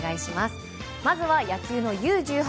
まずは野球のＵ‐１８